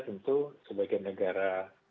tentu sebagai negara